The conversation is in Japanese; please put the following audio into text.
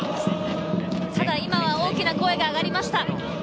ただ今は大きな声が上がりました。